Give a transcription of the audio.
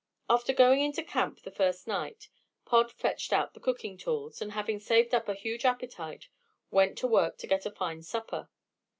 After going into camp the first night, Pod fetched out the cooking tools, and having saved up a huge appetite, went to work to get a fine supper.